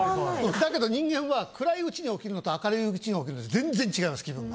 だけど人間は暗いうちに起きるのと明るいうちに起きるのと全然違います気分が。